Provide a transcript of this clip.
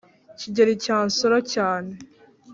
kigeli cya nsoro cyane